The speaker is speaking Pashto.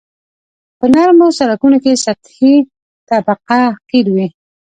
په نرمو سرکونو کې سطحي طبقه قیر وي